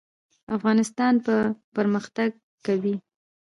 افغانستان به پرمختګ کوي